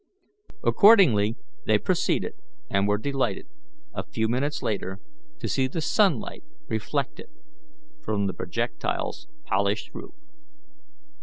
Accordingly they proceeded, and were delighted, a few minutes later, to see the sunlight reflected from the projectile's polished roof.